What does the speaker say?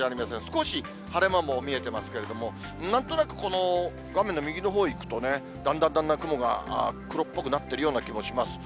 少し晴れ間も見えてますけれども、なんとなくこの画面の右のほうにいくと、だんだんだんだん雲が黒っぽくなってるような気もします。